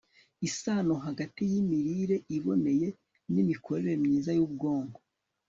isano hagati y'imirire iboneye n'imikorere myiza y'ubwonko